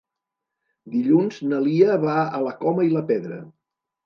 Dilluns na Lia va a la Coma i la Pedra.